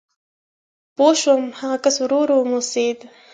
پوه شوم، هغه کس ورو ورو وموسېد.